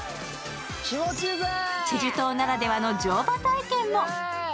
チェジュ島ならではの乗馬体験も。